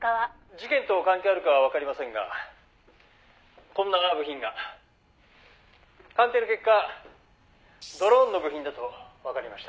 「事件と関係あるかはわかりませんがこんな部品が」「鑑定の結果ドローンの部品だとわかりました」